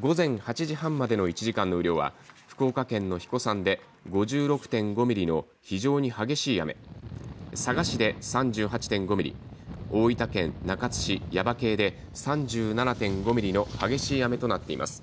午前８時半までの１時間の雨量は福岡県の英彦山で５６．５ミリの非常に激しい雨、佐賀市で３８．５ミリ、大分県中津市耶馬溪で３７．５ミリの激しい雨となっています。